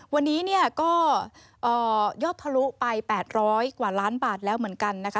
วันนี้เนี่ยก็ยอดทะลุไป๘๐๐กว่าล้านบาทแล้วเหมือนกันนะคะ